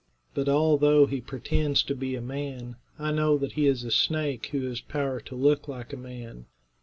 But although he pretends to be a man, I know that he is a snake who has power to look like a man."